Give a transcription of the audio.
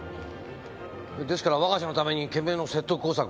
ですから我が社のために懸命の説得工作を。